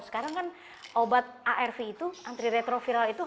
sekarang kan obat arv itu antiretroviral itu